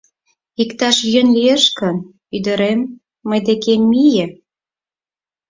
Иктаж йӧн лиеш гын, ӱдырем, мый декем мие.